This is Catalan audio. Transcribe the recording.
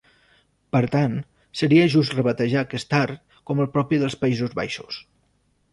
Per tant, seria just rebatejar aquest art com el propi dels Països Baixos.